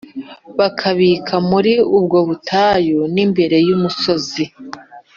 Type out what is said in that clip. bakambika muri ubwo butayu n’imbere y’umusozi